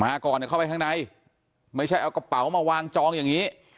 ก่อนเข้าไปข้างในไม่ใช่เอากระเป๋ามาวางจองอย่างนี้